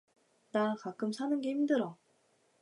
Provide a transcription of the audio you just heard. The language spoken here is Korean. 나 가끔 사는 게 힘들어